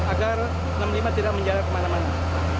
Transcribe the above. agar enam puluh lima tidak menjalar kemana mana